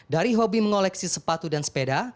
dari hobi mengoleksi sepatu dan sepeda